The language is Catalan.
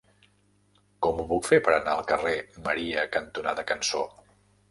Com ho puc fer per anar al carrer Maria cantonada Cançó?